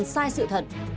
hoàn toàn sai sự thật